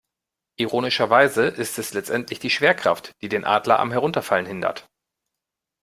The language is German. Ironischerweise ist es letztendlich die Schwerkraft, die den Adler am Herunterfallen hindert.